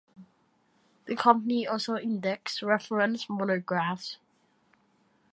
The company also indexed reference monographs.